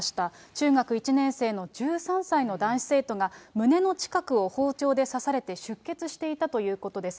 中学１年生の１３歳の男子生徒が、胸の近くを包丁で刺されて出血していたということです。